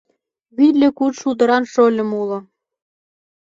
Витле куд шулдыран шольым уло